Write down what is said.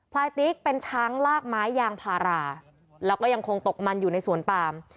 ลายติ๊กเป็นช้างลากไม้ยางพาราแล้วก็ยังคงตกมันอยู่ในสวนปาม